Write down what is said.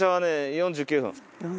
４９分。